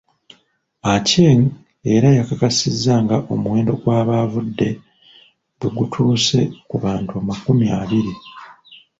Aceng era yakakasizza nga omuwendo gw’abavudde bwegutuuse ku bantu makumi abiri.